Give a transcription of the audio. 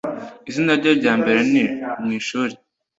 izina rye rya mbere mu ishuri,